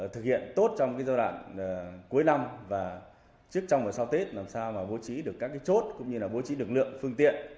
thực hiện tốt trong giai đoạn cuối năm và trước trong và sau tết làm sao bố trí được các chốt cũng như bố trí lực lượng phương tiện